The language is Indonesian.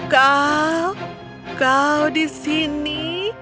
kau kau di sini